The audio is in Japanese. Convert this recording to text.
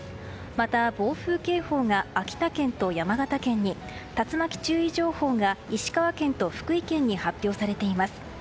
また暴風警報が秋田県と山形県に竜巻中尉情報が石川県と福井県に発表されています。